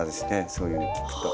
そういうの聞くと。